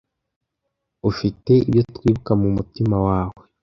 Ufite ibyo twibuka mu mutima wawe.